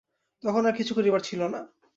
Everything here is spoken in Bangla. তখন আর কিছু করিবার ছিল না।